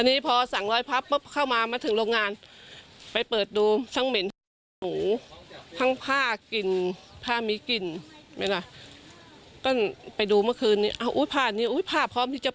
โดยเจ้าของให้เหตุผลที่ไม่สามารถผลิตเสื้อดำในเวลานี้ได้